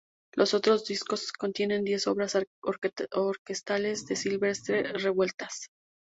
Los otros dos discos contienen diez obras orquestales de Silvestre Revueltas.